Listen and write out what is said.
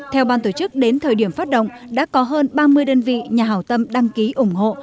theo ban tổ chức đến thời điểm phát động đã có hơn ba mươi đơn vị nhà hảo tâm đăng ký ủng hộ